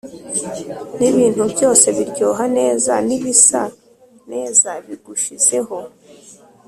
n’ibintu byose biryoha neza n’ibisa neza bigushizeho,